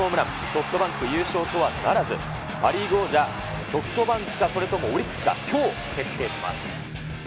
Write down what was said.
ソフトバンク、優勝とはならず、パ・リーグ王者、ソフトバンクか、それともオリックスか、きょう決定します。